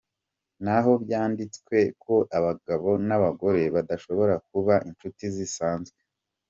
Ntaho byanditswe ko abagabo n’abagore badashobora kuba inshuti zisanzwe.